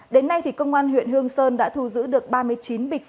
đến nay công an huyện hương sơn đã thu giữ được ba mươi chín bịch